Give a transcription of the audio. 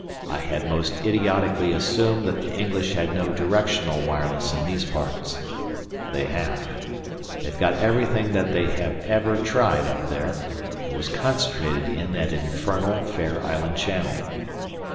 I had most idiotically assumed that the English had no directional wireless in these parts. They have. They've got everything that they have ever tried up there; it was concentrated in that infernal Fair Island Channel.